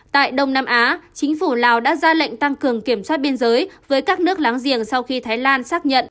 tại đông nam á chính phủ lào đã ra lệnh tăng cường kiểm soát biên giới với các nước láng giềng sau khi thái lan xác nhận